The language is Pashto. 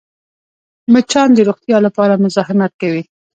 مچان د روغتیا لپاره مزاحمت کوي